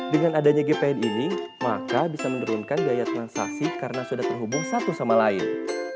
dengan adanya gpn ini maka bisa menurunkan biaya transaksi karena sudah terhubung satu sama lain